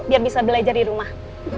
biar bisa belajar di rumah